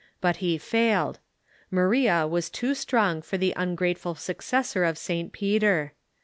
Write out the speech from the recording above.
But he failed. Maria was too strong for the ungrateful successor of St. Peter.